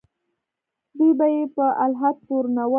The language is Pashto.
دوی به یې په الحاد تورنول.